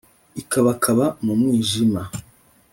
ikabakaba mu mwijima